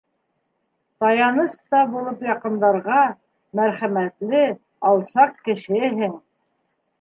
Таяныс та булып яҡындарға Мәрхәмәтле, алсаҡ кешеһең!